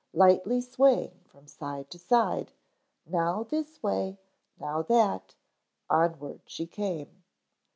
Lightly swaying from side to side, now this way, now that, onward she came.